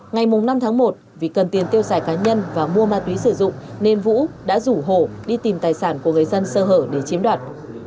ngày năm tháng một vì cần tiền tiêu xài cá nhân và mua ma túy sử dụng nên vũ đã rủ hổ đi tìm tài sản của người dân sơ hở để chiếm đoạt